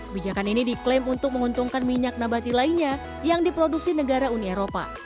bijakan ini diklaim untuk menguntungkan minyak nabati lainnya yang diproduksi negara uni eropa